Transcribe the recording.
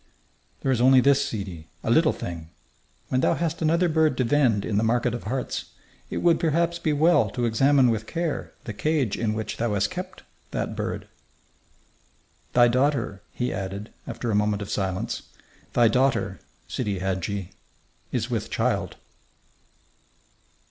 "There is only this, sidi, a little thing: When thou hast another bird to vend in the market of hearts, it would perhaps be well to examine with care the cage in which thou hast kept that bird. "Thy daughter," he added, after a moment of silence "thy daughter, Sidi Hadji, is with child."